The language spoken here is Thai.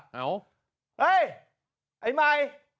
เฮ้ยไอ้มัย